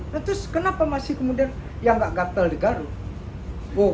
terus kenapa masih kemudian yang gak gatel digaruh